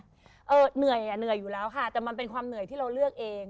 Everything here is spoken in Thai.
เหนื่อยอยู่แล้วค่ะแต่มันเป็นอะไรที่เราเลือกเอง